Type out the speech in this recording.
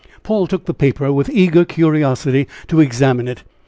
Paul took the paper with eager curiosity to examine it.